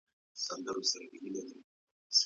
د قیامت ورځ رښتینې ده.